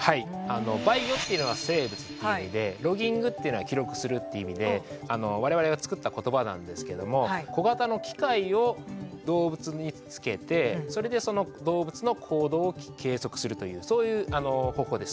バイオっていうのは生物っていう意味でロギングっていうのは記録するっていう意味で我々が作った言葉なんですけども小型の機械を動物につけてそれでその動物の行動を計測するというそういう方法です。